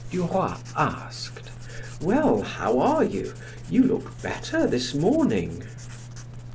Duroy asked: "Well, how are you? You look better this morning."